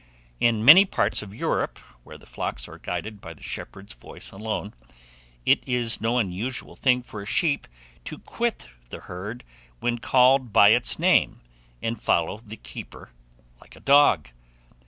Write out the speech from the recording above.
In many parts of Europe, where the flocks are guided by the shepherd's voice alone, it is no unusual thing for a sheep to quit the herd when called by its name, and follow the keeper like a dog.